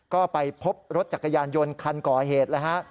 ก็ไปพบรถจักรยานยนต์คันก่อเหตุแล้วฮะ